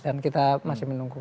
dan kita masih menunggu